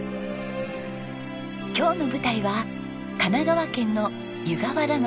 今日の舞台は神奈川県の湯河原町。